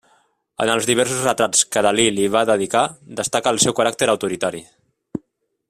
En els diversos retrats que Dalí li va dedicar, destaca el seu caràcter autoritari.